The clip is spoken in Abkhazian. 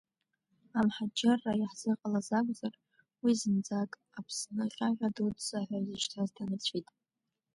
Амҳаџьырра иаҳзыҟалаз акәзар, уи зынӡак Аԥсны ҟьаҟьа дуӡӡа ҳәа изышьҭаз ҭанарцәит.